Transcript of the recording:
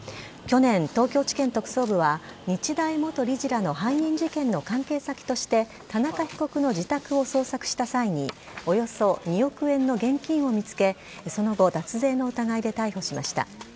去年、東京地検特捜部は日大元理事らの背任事件の関係先として、田中被告の自宅を捜索した際に、およそ２億円の現金を見つけ、その後、脱税の疑いで逮捕しました。